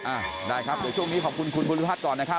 อ่าได้ครับเดี๋ยวช่วงนี้ขอบคุณคุณภูริพัฒน์ก่อนนะครับ